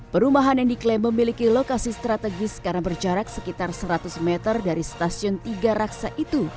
perumahan yang diklaim memiliki lokasi strategis karena berjarak sekitar seratus meter dari stasiun tiga raksa itu